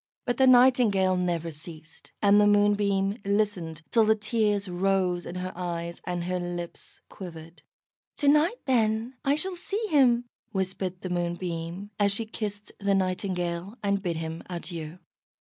But the Nightingale never ceased, and the Moonbeam listened till the tears rose in her eyes and her lips quivered. "To night, then, I shall see him," whispered the Moonbeam, as she kissed the Nightingale, and bid him adieu.